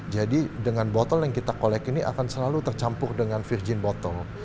jadi dengan botol yang kita collect ini akan selalu tercampur dengan virgin botol